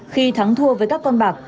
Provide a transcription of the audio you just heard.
khi thắng thua với các con bạc